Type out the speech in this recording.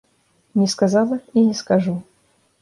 Не сказала і не скажу.